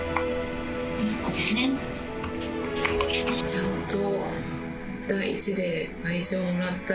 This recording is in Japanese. ちゃんと。